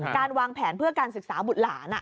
การวางแผนเพื่อการศึกษาบุตรหลาน